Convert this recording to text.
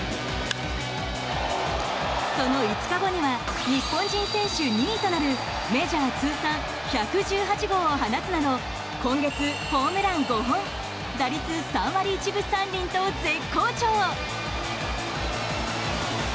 その５日後には日本人選手２位となるメジャー通算１１８号を放つなど今月ホームラン５本打率３割１分３厘と絶好調！